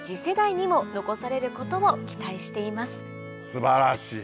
素晴らしい！